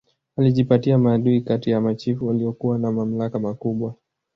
Alijipatia maadui kati ya machifu waliokuwa na mamlaka makubwa